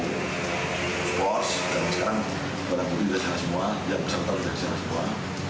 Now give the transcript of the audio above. kita geser ke semalam ke laku sports dan sekarang orang orang juga disana semua yang peserta juga disana semua